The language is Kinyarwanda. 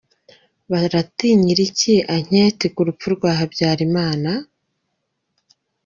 Baratinyira iki Anketi ku rupfu rwa Habyarimana!